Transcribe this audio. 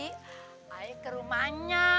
saya ke rumahnya